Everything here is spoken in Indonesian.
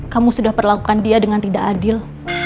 kamu sudah perlakukan dia dengan tidak adil